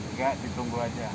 enggak ditunggu aja